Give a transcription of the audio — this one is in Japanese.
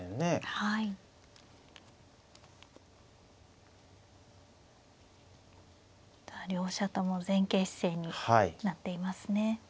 はい。両者とも前傾姿勢になっていますね。